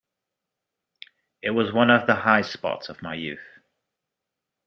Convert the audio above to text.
It was one of the high spots of my youth.